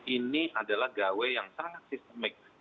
ini adalah gawe yang sangat sistemik